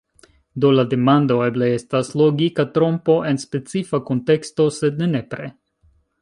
Do la demando eble estas logika trompo en specifa kunteksto, sed ne nepre.